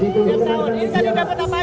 ini tadi dapat apa aja